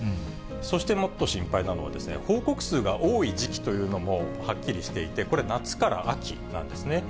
そしてもっと心配なのはですね、報告数が多い時期というのもはっきりしていて、これ、夏から秋なんですね。